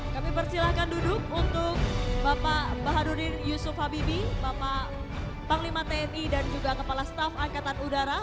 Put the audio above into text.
kami persilahkan duduk untuk bapak baharudin yusuf habibi bapak panglima tni dan juga kepala staf angkatan udara